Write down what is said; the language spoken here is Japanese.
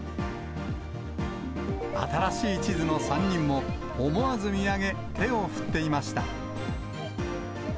新しい地図の３人も思わず見上げ、手を振っていました。